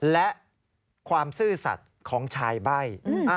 และความซื่อสัตว์ของชายใบ้